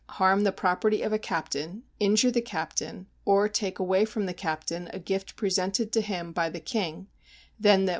harm the property of a captain, injure the captain, or take away from the captain a gift presented to him by the king then the ...